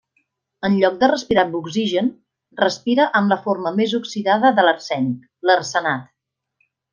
En lloc de respirar amb oxigen, respira amb la forma més oxidada de l'arsènic, l'arsenat.